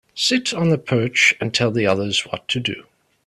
Sit on the perch and tell the others what to do.